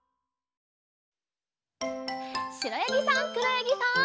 しろやぎさんくろやぎさん。